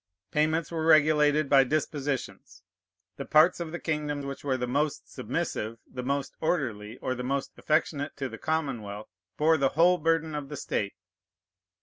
Payments were regulated by dispositions. The parts of the kingdom which were the most submissive, the most orderly, or the most affectionate to the commonwealth, bore the whole burden of the state.